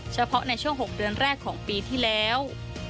เฉพาะในช่วง๖เดือนแรกของปีที่แล้ว